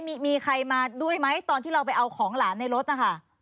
มีมีใครมาด้วยไหมตอนที่เราไปเอาของหลานในรถนะคะ